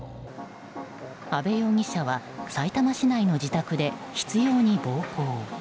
阿部容疑者はさいたま市内の自宅で執拗に暴行。